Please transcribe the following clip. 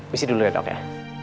puisi dulu ya dok ya